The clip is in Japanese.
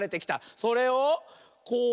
それをこう。